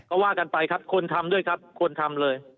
ก็ว่ากันไปครับควรทำด้วยครับควรทำเลย